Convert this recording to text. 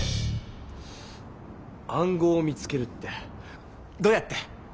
暗号を見つけるってどうやって？